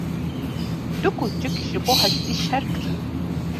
Du kûçik ji bo hestî şer kirin.